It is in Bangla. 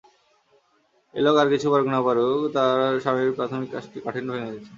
এই লোক আর কিছু পারুন না-পরুিন, তাঁর স্বামীর প্রাথমিক কাঠিন্য ভেঙে দিয়েছেন।